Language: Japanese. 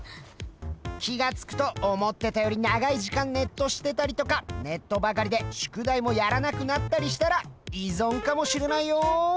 気が付くと思ってたより長い時間ネットしてたりとかネットばかりで宿題もやらなくなったりしたら依存かもしれないよ！